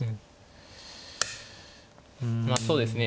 まあそうですね